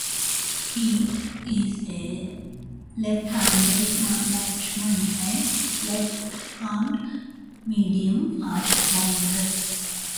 He is a left-handed batsman and a left-arm medium-fast bowler.